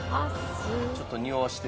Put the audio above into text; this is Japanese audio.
ちょっとにおわせて。